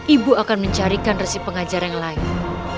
ibu akan mencarikan resip pengajar yang lain